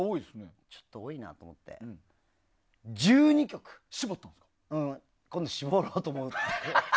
ちょっと多いなと思って１２曲に絞ろうと思って。